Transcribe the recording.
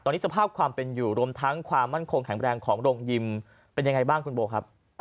ตอนนี้สภาพความเป็นอยู่รวมทั้งความมั่นคงแข็งแรงของโรงยิมเป็นยังไงบ้างคุณโบครับ